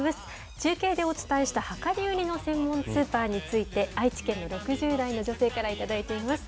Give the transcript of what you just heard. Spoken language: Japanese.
中継でお伝えした、量り売りの専門スーパーについて、愛知県の６０代の女性から頂いています。